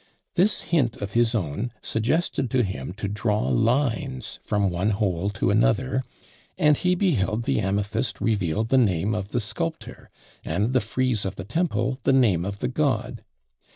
This hint of his own suggested to him to draw lines from one hole to another; and he beheld the amethyst reveal the name of the sculptor, and the frieze of the temple the name of the god!